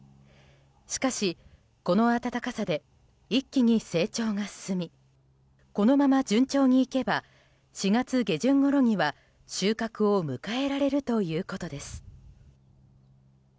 しかし、この暖かさで一気に成長が進みこのまま順調にいけば４月下旬ごろには収穫を迎えられるということです。